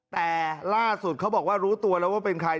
แต่ล่าสุดเขาบอกว่ารู้ตัวแล้วว่าเป็นใคร